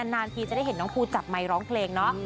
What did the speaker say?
นานทีจะได้เห็นน้องภูจับไมค์ร้องเพลงเนาะ